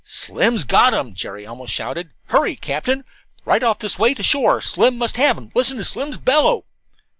"Slim's got him," Jerry almost shouted. "Hurry, captain, right off this way to the shore. Slim must have him. Listen to Slim's bellow."